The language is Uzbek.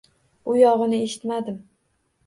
U yogʻini eshitmadim